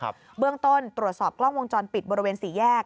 เบื้องต้นตรวจสอบกล้องวงจรปิดบริเวณสี่แยก